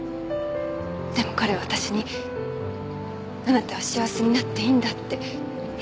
でも彼は私に「あなたは幸せになっていいんだ」って言ってくれました。